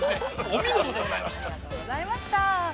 お見事でございました。